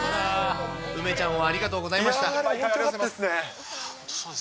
梅ちゃんをありがとうございましよかったですね。